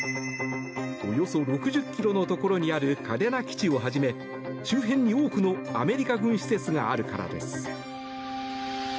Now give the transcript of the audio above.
およそ６０ｋｍのところにある嘉手納基地をはじめ周辺に多くのアメリカ軍施設があるからです。